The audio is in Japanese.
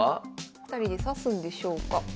２人で指すんでしょうか？